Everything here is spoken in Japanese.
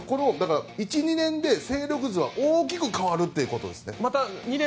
１２年で勢力図は大きく変わるということです。